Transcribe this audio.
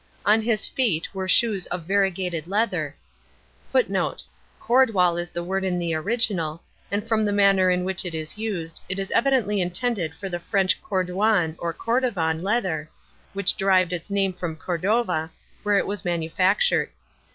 On his feet were shoes of variegated leather, [Footnote: Cordwal is the word in the original, and from the manner in which it is used it is evidently intended for the French Cordouan or Cordovan leather, which derived its name from Cordova, where it was manufactured.